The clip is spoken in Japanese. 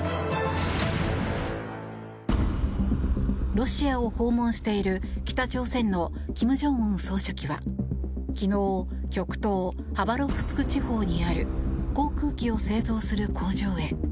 ロシアを訪問している北朝鮮の金正恩総書記は昨日極東ハバロフスク地方にある航空機を製造する工場へ。